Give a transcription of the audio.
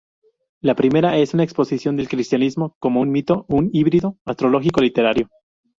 La primera es una exposición del cristianismo como un mito, un híbrido astrológico-literario.